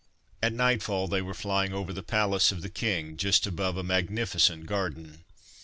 At nightfall they were flying over the palace of the king just above a magnificent garden.